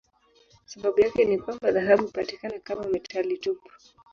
Sababu yake ni kwamba dhahabu hupatikana kama metali tupu.